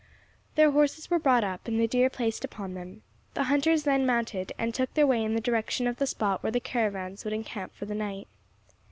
Their horses were brought up, and the deer placed upon them. The hunters then mounted, and took their way in the direction of the spot where the caravans would encamp for the night.